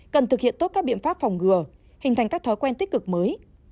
cần thực hiện tốt các biện pháp phòng ngừa hình thành các thói quen tích cực mới